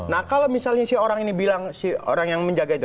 nah kalau misalnya si orang ini bilang si orang yang menjaga itu